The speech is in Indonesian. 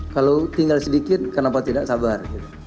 kalau tinggal sedikit kenapa tidak sabar